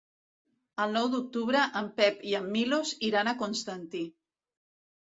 El nou d'octubre en Pep i en Milos iran a Constantí.